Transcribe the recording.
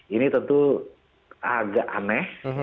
ini tentu agak aneh